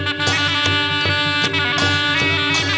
มีชื่อว่าโนราตัวอ่อนครับ